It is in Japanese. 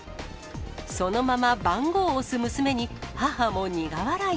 そのまま番号を押す娘に母も苦笑い。